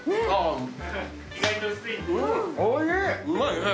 うまいね。